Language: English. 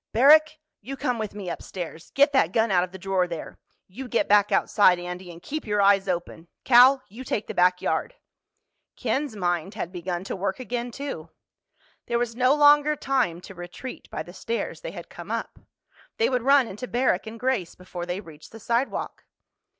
"Barrack, you come with me upstairs! Get that gun out of the drawer there. You get back outside, Andy—and keep your eyes open. Cal, you take the back yard." Ken's mind had begun to work again too. There was no longer time to retreat by the stairs they had come up. They would run into Barrack and Grace before they reached the sidewalk.